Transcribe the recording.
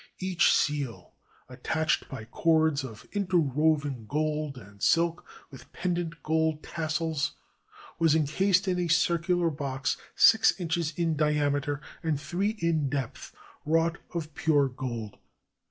Each seal, attached by cords of interwoven gold and silk with pendent gold tassels, was encased in a circular box six inches in diameter and three in depth, wrought of pure gold.